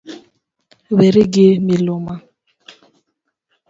Weri gi miluma.